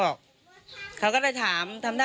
เลขทะเบียนรถจากรยานยนต์